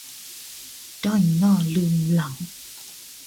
ได้หน้าลืมหลัง